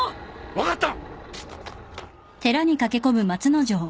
分かった！